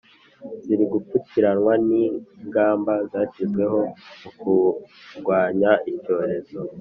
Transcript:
ziri gupfukiranwa n’ingamba zashyizweho mu kurwanya icyorezo